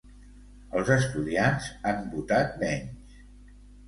Els estudiants han votat menys.